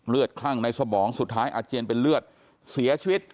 คลั่งในสมองสุดท้ายอาเจียนเป็นเลือดเสียชีวิต